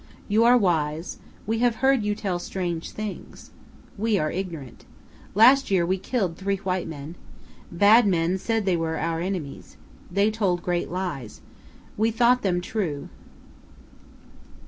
You are wise; we have heard you tell strange things. We are ignorant. Last year we killed three white men. Bad men said they were our enemies. They told great lies. We thought them true.